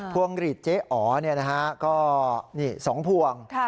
พวงรีดเจ๊อ๋อนี่๒พวง